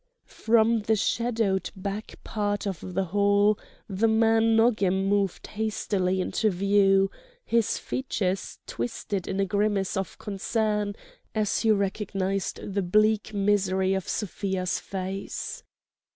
From the shadowed back part of the hall the man Nogam moved hastily into view, his features twisted in a grimace of concern as he recognized the bleak misery of Sofia's face.